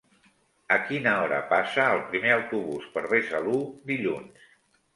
A quina hora passa el primer autobús per Besalú dilluns?